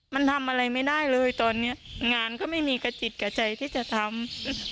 มันทำอะไรไม่ได้เลยตอนนี้งานก็ไม่มีกระจิตกระใจที่จะทำ